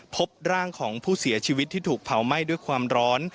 พบร่างของผู้เสียชีวิตที่ถูกเผาไหม้ด้วยความร้อน